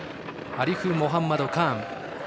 アリフモハンマド・カーン。